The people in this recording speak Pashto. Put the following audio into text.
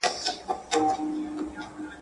شپونکی چي نه سي ږغولای له شپېلۍ سندري.